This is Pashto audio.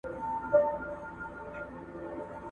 په څه هیلو درته راغلم څه خُمار درڅخه ځمه ,